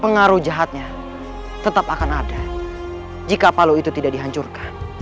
pengaruh jahatnya tetap akan ada jika palu itu tidak dihancurkan